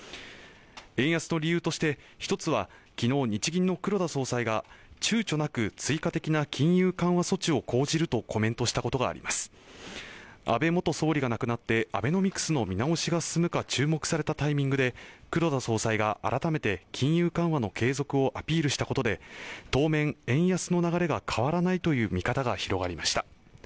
円安の理由として１つはきのう日銀の黒田総裁がちゅうちょなく追加的な金融緩和措置を講じるとコメントしたことがあります安倍元総理が亡くなってアベノミクスの見直しが進むか注目されたタイミングで黒田総裁が改めて金融緩和の継続をアピールしたことで当面円安の流れが変わらないという見方が広がりました